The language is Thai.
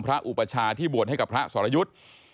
อุปชาที่บวชให้กับพระสรยุทธ์